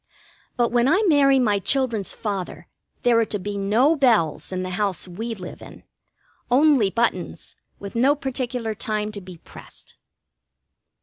But when I marry my children's father there are to be no bells in the house we live in. Only buttons, with no particular time to be pressed.